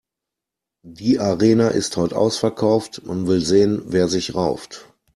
Die Arena ist heut' ausverkauft, man will sehen, wer sich rauft.